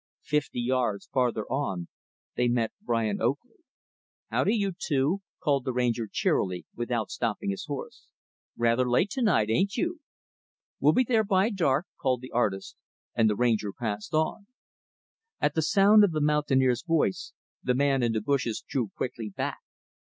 Fifty yards farther on, they met Brian Oakley. "Howdy, you two," called the Ranger, cheerily without stopping his horse. "Rather late to night, ain't you?" "We'll be there by dark," called the artist And the Ranger passed on. At sound of the mountaineer's voice, the man in the bushes drew quickly back.